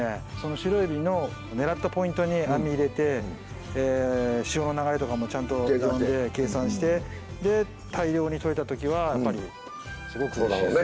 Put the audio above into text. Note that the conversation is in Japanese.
シロエビの狙ったポイントに網入れて潮の流れとかもちゃんと読んで計算してで大量にとれた時はやっぱりすごくうれしいですね。